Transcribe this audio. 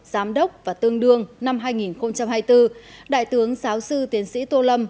giám đốc và tương đương năm hai nghìn hai mươi bốn đại tướng giáo sư tiến sĩ tô lâm